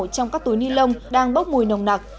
trong các túi ni lông đang bốc mùi nồng nặc